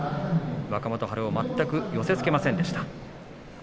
若元春を全く寄せつけませんでした。